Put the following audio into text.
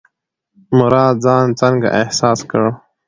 مراد ځان څنګه احساس کړ؟